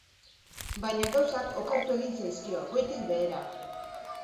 Baina gauzak okertu egin zaizkio, goitik behera.